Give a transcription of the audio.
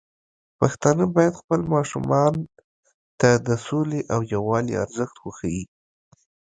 پښتانه بايد خپل ماشومان ته د سولې او يووالي ارزښت وښيي.